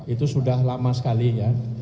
itu sudah lama sekali ya